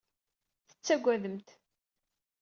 Tettagademt.